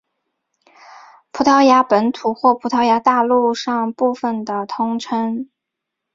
葡萄牙本土或葡萄牙大陆上部分的通称。